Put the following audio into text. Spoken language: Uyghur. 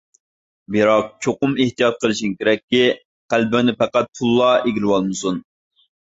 بىراق چوقۇم ئېھتىيات قىلىشىڭ كېرەككى قەلبىڭنى پەقەت پۇللا ئىگىلىۋالمىسۇن.